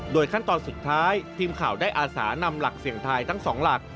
ขั้นตอนสุดท้ายทีมข่าวได้อาสานำหลักเสี่ยงทายทั้งสองหลัก